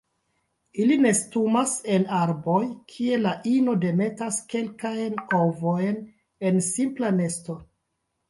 Ili nestumas en arboj, kie la ino demetas kelkajn ovojn en simpla nesto.